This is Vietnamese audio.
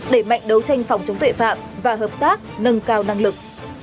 đẩy mạnh đấu tranh phòng chống tội phạm và hợp tác nâng cao năng lực